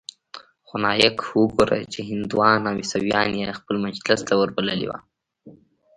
خو نايک وګوره چې هندوان او عيسويان يې خپل مجلس ته وربللي وو.